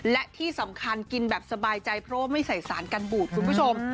และที่สำคัญกินแบบสบายใจเพราะว่าไม่ใส่สารกันบูดคุณผู้ชม